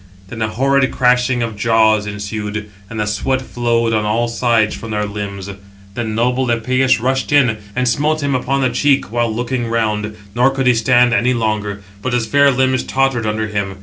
Then a horrid crashing of jaws ensued, and the sweat flowed on all sides from their limbs. Then noble Epëus rushed in, and smote him upon the cheek, while looking round, nor could he stand any longer; but his fair limbs tottered under him.